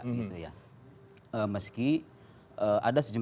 meski ada sejumlah catatan saya kira terkait terorisme